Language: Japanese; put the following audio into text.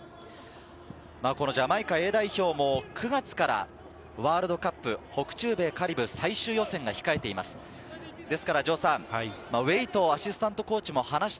ジャマイカＡ代表も９月からワールドカップ、北中米カリブ最終予選が控えています。